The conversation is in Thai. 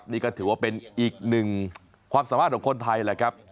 นี่ก็ถือว่าเป็นอีกหนึ่งความสามารถของคนไทยแหละครับ